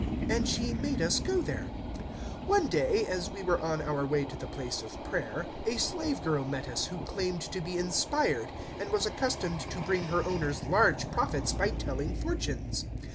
And she made us go there. 016:016 One day, as we were on our way to the place of prayer, a slave girl met us who claimed to be inspired and was accustomed to bring her owners large profits by telling fortunes.